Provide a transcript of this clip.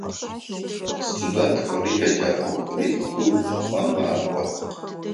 Студентхэри еджакӏохэри хы Шӏуцӏэм макӏох.